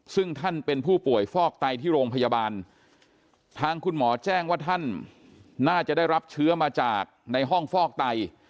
ซึ่งท่านเป็นผู้ป่วยฟอกไตที่โรงพยาบาลทางคุณหมอแจ้งว่าท่านน่าจะได้รับเชื้อมาจากในห้องฟอกไต